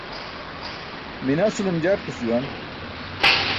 Minasulum jatkus juwan.